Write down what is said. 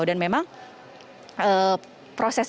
dan memang proses